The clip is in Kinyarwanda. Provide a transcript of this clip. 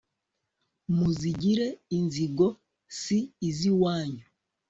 muzigire inzigo si iz'iwanyu